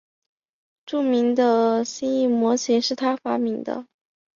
著名的易辛模型是他发明的。